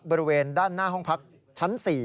บริเวณด้านหน้าห้องพักชั้น๔